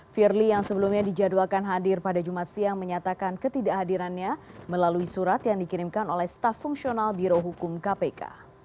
firly yang sebelumnya dijadwalkan hadir pada jumat siang menyatakan ketidakhadirannya melalui surat yang dikirimkan oleh staff fungsional birohukum kpk